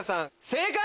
正解！